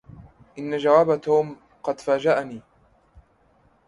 ان جواب توم قد فاجئني